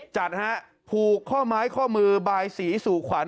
จัดฮะผูกข้อไม้ข้อมือบายสีสู่ขวัญ